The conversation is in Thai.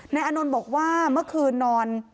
อานนท์บอกว่าเมื่อคืนนอน